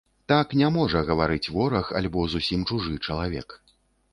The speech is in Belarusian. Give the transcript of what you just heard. Так не можа гаварыць вораг альбо зусім чужы чалавек.